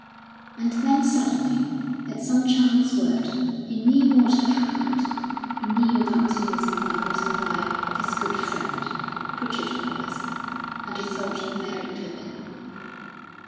And then suddenly, at some chance word, he knew what had happened; he knew that he was in love with the wife of his good friend, Pritchard Wallace; and he thought of Mary Clibborn.